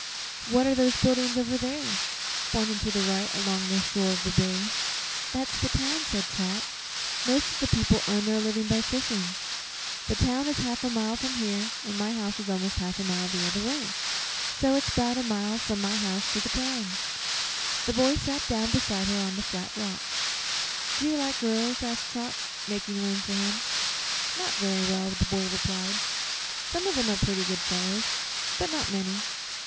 "What are those buildings over there?" pointing to the right, along the shore of the bay. "That's the town," said Trot. "Most of the people earn their living by fishing. The town is half a mile from here an' my house is almost a half mile the other way; so it's 'bout a mile from my house to the town." The boy sat down beside her on the flat rock. "Do you like girls?" asked Trot, making room for him. "Not very well," the boy replied. "Some of 'em are pretty good fellows, but not many.